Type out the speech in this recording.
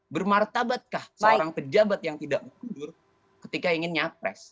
bermartabatkah seorang pejabat yang tidak mundur ketika ingin nyapres